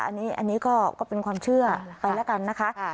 อันนี้ก็เป็นความเชื่อไปแล้วกันนะคะ